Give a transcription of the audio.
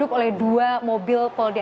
duduk oleh dua mobil polri